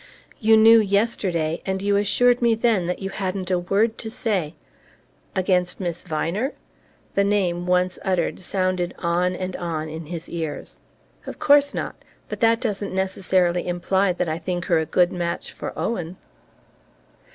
"You knew yesterday; and you assured me then that you hadn't a word to say " "Against Miss Viner?" The name, once uttered, sounded on and on in his ears. "Of course not. But that doesn't necessarily imply that I think her a good match for Owen."